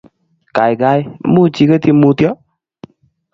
Gaigai, much igetyi Mutyo?